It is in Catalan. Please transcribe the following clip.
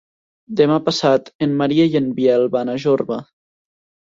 Demà passat en Maria i en Biel van a Jorba.